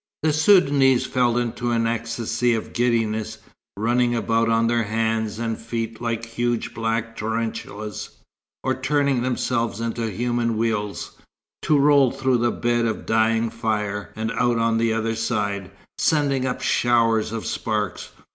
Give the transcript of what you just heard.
The Soudanese fell into an ecstasy of giddiness, running about on their hands and feet like huge black tarantulas, or turning themselves into human wheels, to roll through the bed of the dying fire and out on the other side, sending up showers of sparks.